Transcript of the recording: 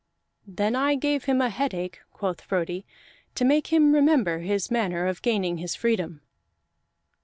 "Then I gave him a headache," quoth Frodi, "to make him remember his manner of gaining his freedom."